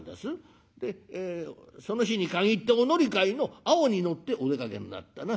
「その日に限ってお乗り換えの青に乗ってお出かけになったな。